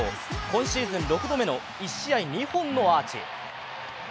今シーズン６度目の１試合２本のアーチ。